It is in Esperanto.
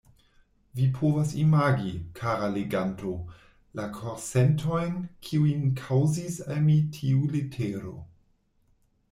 Vi povas imagi, kara leganto, la korsentojn, kiujn kaŭzis al mi tiu letero.